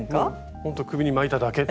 ほんと首に巻いただけという。